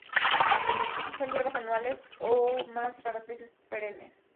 Son hierbas anuales o, más raras veces, perennes.